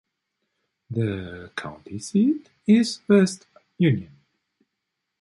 The county seat is West Union.